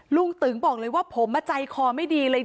ตึงบอกเลยว่าผมใจคอไม่ดีเลย